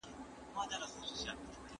احمد وویل چي لاسي کار د ژوند بنسټ دی.